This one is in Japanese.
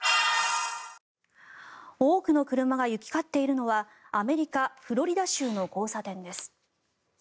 多くの車が行き交っているのはアメリカ・フロリダ州の交差点です。